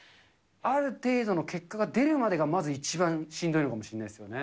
ある程度の結果が出るまでがまず一番しんどいのかもしれないですよね。